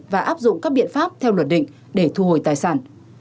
và áp dụng các biện pháp theo luật định để thu hồi tài sản